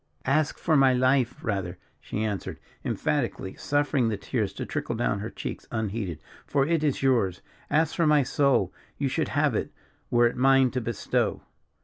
"Ask for my life, rather," she answered, emphatically, suffering the tears to trickle down her cheeks unheeded, "for it is yours; ask for my soul, you should have it, were it mine to bestow."